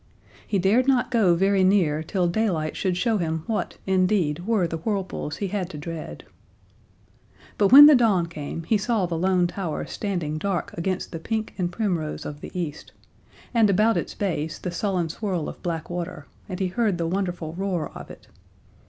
He dared not go very near till daylight should show him what, indeed, were the whirlpools he had to dread. But when the dawn came he saw the Lone Tower standing dark against the pink and primrose of the East, and about its base the sullen swirl of black water, and he heard the wonderful roar of it.